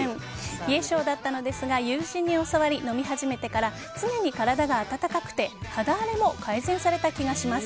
冷え性だったのですが友人に教わり飲み始めてから常に体が温かくて肌荒れも改善された気がします。